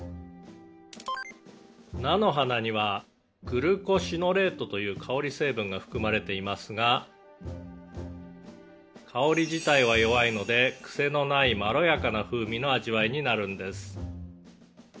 「菜の花にはグルコシノレートという香り成分が含まれていますが香り自体は弱いのでクセのないまろやかな風味の味わいになるんです」